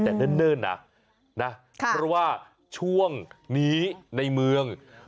แต่เนิ่นนะนะเพราะว่าช่วงนี้ในเมือง